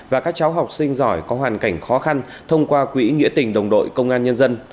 và các cháu học sinh giỏi có hoàn cảnh khó khăn thông qua quỹ nghĩa tình đồng đội công an nhân dân